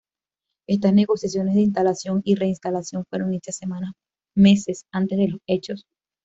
Estas negociaciones de instalación y reinstalación fueron hechas semanas meses antes de los hechos.